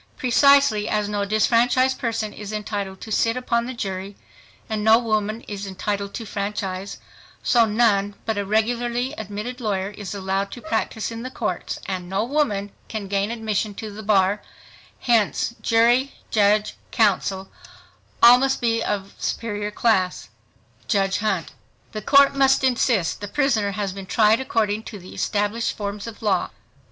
. Precisely as no disfranchised person is entitled to sit upon the jury and no woman is entitled to the franchise, so none but a regularly admitted lawyer is allowed to practice in the courts, and no woman can gain admission to the bar hence, jury, judge, counsel, all must be of superior class. JUDGE HUNT—The Court must insist the prisoner has been tried according to the established forms of law.